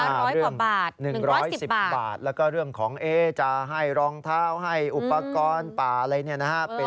ร้อยกว่าบาท๑๑๐บาทแล้วก็เรื่องของเอ๊จะให้รองเท้าให้อุปกรณ์ป่าอะไรนี่นะครับ